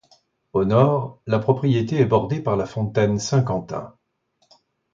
Au nord, la propriété est bordée par la fontaine Saint-Quentin.